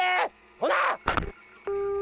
ほな！